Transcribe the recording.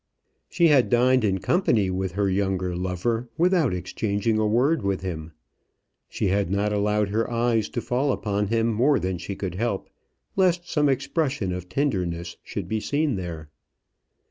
She had dined in company with her younger lover without exchanging a word with him. She had not allowed her eyes to fall upon him more than she could help, lest some expression of tenderness should be seen there.